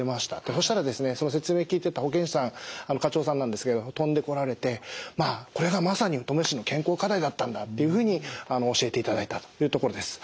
そしたらですねその説明聞いてた保健師さん課長さんなんですけれども飛んでこられてこれがまさに登米市の健康課題だったんだというふうに教えていただいたというところです。